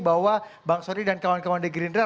bahwa bang sodik dan kawan kawan di green rail